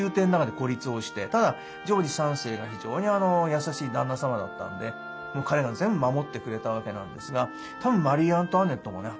ただジョージ３世が非常に優しい旦那様だったので彼が全部守ってくれたわけなんですがたぶんマリー・アントワネットもね